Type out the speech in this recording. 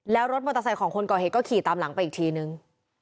แล้วรถมอเตอร์ไซค์ของคนก่อเหตุก็ขี่ตามหลังไปอีกทีนึง